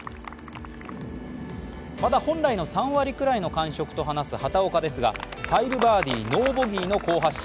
まだ本来の３割くらいの感触と話す畑岡ですが５バーディーノーボギーの好発進。